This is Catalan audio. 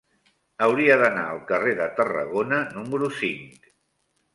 Hauria d'anar al carrer de Tarragona número cinc.